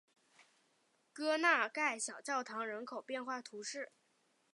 戈纳盖小教堂人口变化图示